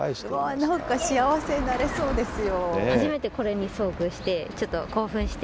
なんか幸せになれそうですよ。